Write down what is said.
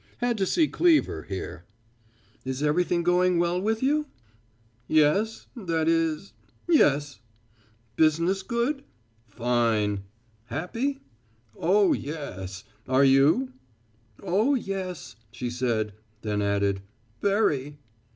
Had to see Cleever here." "Is everything going well with you!" "Yes, that is yes." "Business good!" "Fine." "Happy!" "Oh, yes are you!" "Oh, yes," she said, then added "very."